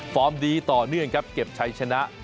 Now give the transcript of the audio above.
ฟอร์มดีต่อเนื่องครับเก็บใช้ชนะ